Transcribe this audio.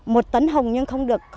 một tấn hồng nhưng không được